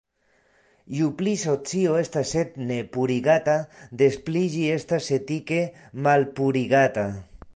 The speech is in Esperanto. Ju pli socio estas etne purigata, des pli ĝi estas etike malpurigata.